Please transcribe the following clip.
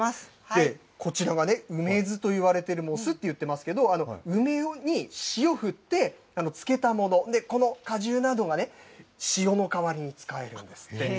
こちらは、梅酢といわれている、酢って言ってますけど、梅に塩振って、漬けたもの、この果汁などがね、塩のかわりに使えるんですって。